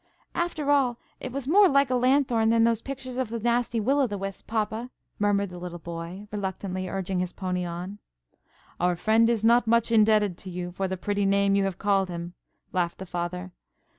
"After all, it was more like a lanthorn than those pictures of the nasty Will o' the Wisp, papa," murmured the little Boy, reluctantly urging his pony on. "Our friend is not much indebted to you for the pretty name you have called him," laughed the Father.